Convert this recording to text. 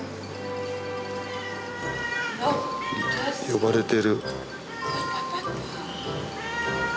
呼ばれてる。